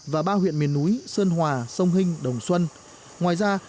và ba huyện miền núi sơn hòa sông hinh đồng xuân